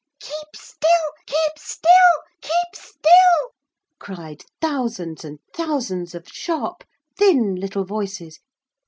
'Keep still, keep still, keep still,' cried thousands and thousands of sharp, thin, little voices.